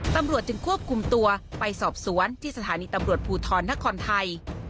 ตำรวจจึงควบคุมตัวไปสอบสวนที่สถานีตำรวจภูทรนครไทย